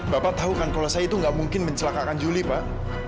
bapak tahu kan kalau saya itu nggak mungkin mencelakakan juli pak